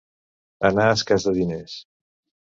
Anar escàs de diners.